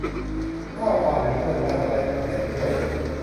ชอบความเป็นเพื่อนบ้านอะไรแบบนั้นด้วย